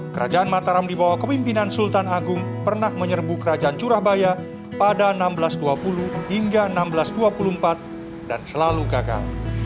kerajaan mataram dibawah kepimpinan sultan agung pernah menyerbu kerajaan curabaya pada seribu enam ratus dua puluh hingga seribu enam ratus dua puluh empat dan selalu gagal